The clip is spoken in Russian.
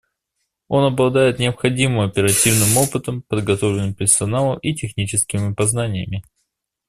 Оно обладает необходимым оперативным опытом, подготовленным персоналом и техническими познаниями.